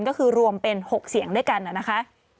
ก็คือรวมเป็น๖เสียงด้วยกันนะคะ